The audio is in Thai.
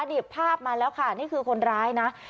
ดิบภาพมาแล้วค่ะนี่คือคนร้ายนะ